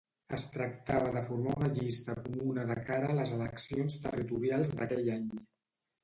Es tractava de formar una llista comuna de cara a les eleccions territorials d'aquell any.